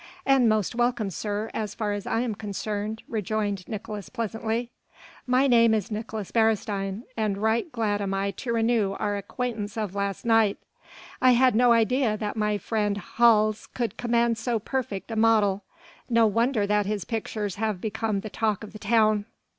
"And most welcome, sir, as far as I am concerned," rejoined Nicolaes pleasantly. "My name is Nicolaes Beresteyn and right glad am I to renew our acquaintance of last night. I had no idea that my friend Hals could command so perfect a model. No wonder that his pictures have become the talk of the town."